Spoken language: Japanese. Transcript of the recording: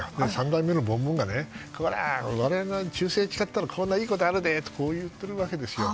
３代目のボンボンが俺に忠誠を誓ったらこんないいことあるで！と言っているわけです。